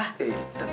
eh kok ada jinak aba